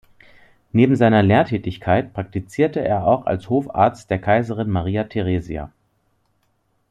Neben seiner Lehrtätigkeit praktizierte er auch als Hofarzt der Kaiserin Maria Theresia.